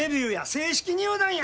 正式入団や！